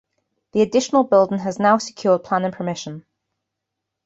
This additional building has now secured planning permission.